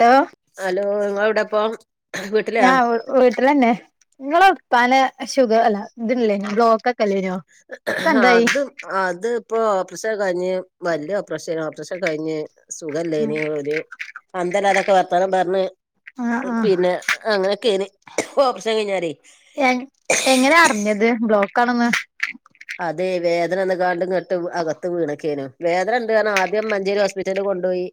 hello hello നിങ്ങള് ഇവിടിപ്പം വീട്ടിലാ ഞാൻ വീട്ടിലന്നെ നിങ്ങ ഉപ്പാല ഷുഗർ അല്ല ഇതില്ലേ ബ്ലോക്ക് ഒക്കെല്ലേ വരൊ അതും അത് ഇപ്പോ ഓപ്പറേഷൻ കഴിഞ്ഞ് വല്ലിയ ഓപ്പറേഷന ഓപ്പറേഷൻ കഴിഞ്ഞ് സുഖല്ലേ ഇനി ഒര് അന്തല്ല അതൊക്കെ വർത്താനം പറഞ്ഞ് ആഹ് ആഹ് പിന്നെ അങ്ങനെയൊക്കെന് ഓപ്പ്ഷൻ കഴിഞ്ഞാലേ എങ്ങനയാ അറിഞ്ഞത് ബ്ലോക്കാണന്ന് അതെ വേദന ഒന്ന കാണ്ടും അകത്ത് വീണക്കേനും വേദന ഉണ്ട് കാരണം ആദ്യം മഞ്ചേരി ഹോസ്പിറ്റലിൽ കൊണ്ടുപോയി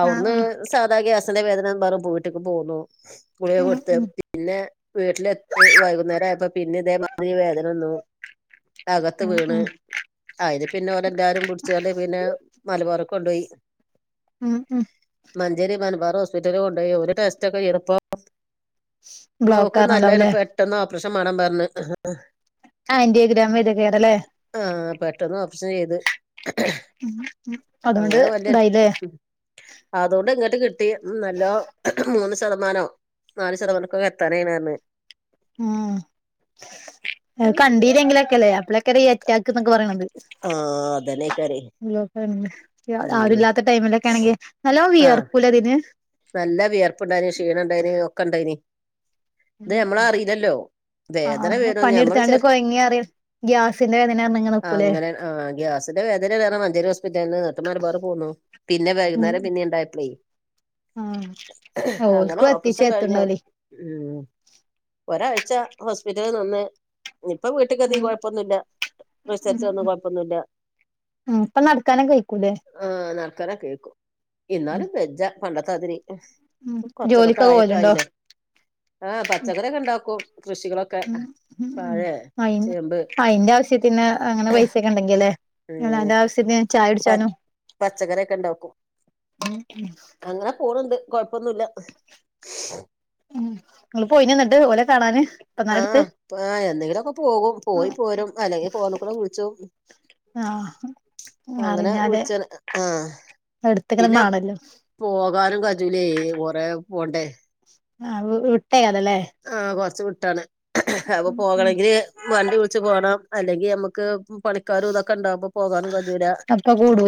അവിട്ന്ന് ആഹ് ആഹ് സാദാഗ്യാസിന്റെ വേദന ആന്നും പറഞ്ഞ് വീട്ടിക്ക് പോകുന്നു ഗുളിക ഉം കൊടുത്ത് ഉം പിന്നെ വീട്ടിലെത്തി വൈകുന്നേരം ആയപ്പോ പിന്നെ ഇതേമാതിരി വേദനവന്നു അകത്ത് ഉം വീണ് ഉം അതിന് പിന്നെ ഓരെല്ലാരും പിടിച്ചുകൊണ്ട് പിന്നെ മലബാറ്ക്ക് കൊണ്ടുപോയി ഉം ഉം മഞ്ചേരി മൻബാർ ഹോസ്പിറ്റലി കൊണ്ട് പോയി ഒരു ടെസ്റ്റ് ഒക്കെചെയ്തെപ്പോ ബ്ലോക്കൊന്നല്ല ഇത് ബ്ലോക്കാർന്നുണ്ടാവുല്ലേ പെട്ടെന്ന് ഓപ്രേഷൻ വേണം പറഞ്ഞ് ആന്റിയോഗ്രാം ചെയ്തെന്റെയാണല്ലേ ആഹ് പെട്ടന്ന് ഓപ്രഷൻ ചെയ്ത് ഉം അങ്ങനെ വല്ല അതോണ്ട്ങ്ങട്ട് കിട്ടി നല്ലോം മൂന്ന് ശതമാനോ നാല് ശതമാനക്കൊക്കെ എത്താനായിണർഞ്ഞ് ഉം അവ് കണ്ടീല്ലെങ്കിലൊക്കെല്ലേ അപ്പളക്കെല്ലെ ഈ അറ്റാക്ക്ന്നൊക്കെ പറിണത് ആഹ് അതന്നെ ഉം ഉം ഉം ആരില്ലാത്ത ടൈമിലൊക്കെ ആണെങ്കിൽ നല്ലോ ആ വിയർക്കൂലെതിത് നല്ല വിയർപ്പുണ്ടായ്ന് ക്ഷീണംണ്ടായ്നി ഒക്കെണ്ടായ്നി ഇത് ഞമ്മളറില്ലല്ലോ വേദന ആഹ് വെരും ഞമ്മൾ പണിയെടുത്താണ്ട് ചെർ കൊഴങ്ങി അറിയ ഗ്യാസിന്റെ വേദന പറഞ്ഞ് ഇങ്ങനെ നിക്കൂലേ അങ്ങനെ ആഹ് ഗ്യാസ് ഇതിന്റെ വേദനേണ് ർഞ്ഞ് മഞ്ചേരി ഹോസ്പിറ്റൽന്ന് ന്നട്ട് മലബാറി പോന്നു പിന്നെ ഉം വൈക്നേരം പിന്നിണ്ടായപ്പളെ ആഹ് അങ്ങനെ ഓൽക്കും എത്തിച്ചേ ഓപ്പറേഷൻ കഴിഞ്ഞര എത്തണ്ടാവൂലേ ഉം ഒരാഴ്ച ഹോസ്പിറ്റലി നിന്ന് ഇപ്പൊ വീട്ട്ക്കെത്തീ കൊഴപ്പൊന്നുല്ല റിസൽറ്റ് വന്ന് കൊഴപ്പൊന്നുല്ല ഉം ഇപ്പൊ നടക്കാനേക്കെ വെയ്ക്കൂലെ ആഹ് നടക്കാനെക്കെ വേയ്ക്കും എന്നാലും വെജ്ജ പണ്ടത്താതിരി കൊർച്ചൊക്ക ജോലിക്കൊക്കെ പോവലുണ്ടോ പ്രായക്കായിലെ ആഹ് പച്ചക്കറിക്കെണ്ടാക്കും കൃഷികളൊക്കെ ഉം ഉം വാഴേ അയ് ചേമ്പ് അയിന്റെ ആവശ്യത്തിന് അങ്ങനെ പൈസക്കെണ്ടാക്കി അല്ലേ ഇനി ഉം അനാവശ്യത്തിന് പ ചായുടിച്ചാലും പച്ചക്കറിയൊക്കെ ഉണ്ടാക്കും അങ്ങനെ പോണ് ണ്ട് കൊഴപ്പൊന്നുല്ല ഉം ങ്ങള് പോയിനന്നട്ട് ഓലെ കാണാന് ഇപ്പന്നാരെ അടുത്ത് ആഹ് ആഹ് എന്നെങ്കിലൊക്കെ പോകും പോയി പോരും അല്ലെങ്കി ഫോണിൽ കൂടെ വിൾച്ചോക്കും ആഹ് അറിഞ്ഞാല് വിളിച്ച ആഹ് എട്ത്ത്ങ്ങണ പിന്നെ മാണല്ലോ പോകാനും കജൂലേ കൊറെ പോണ്ടേ [unintelligible] യാണല്ലേ ആഹ് കൊറച്ച് വിട്ടാണ് അപ്പൊ പോകണെങ്കില് വണ്ടി വിളിച്ച് പോണം അല്ലെങ്കി മ്മക്ക് പണിക്കാരും തൊക്കെ ഇണ്ടകുമ്പോ പോകാനും കജൂലാ [unintelligible]